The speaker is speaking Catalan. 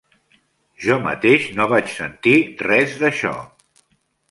Jo mateix no vaig sentir res d'això.